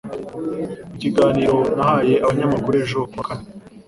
Mu kiganiro yahaye abanyamakuru ejo ku wa kane